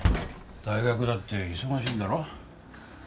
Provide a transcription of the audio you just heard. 大学だって忙しいんだろ？